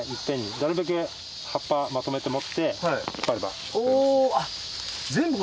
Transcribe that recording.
なるべく葉っぱまとめて持って引っ張れば採れます。